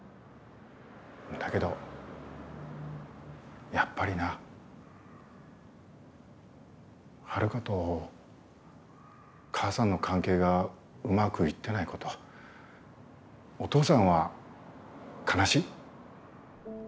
んだげどやっぱりなハルカと母さんの関係がうまくいってないことお父さんは悲しい。